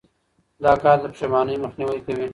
دا کار د پښېمانۍ مخنیوی کوي.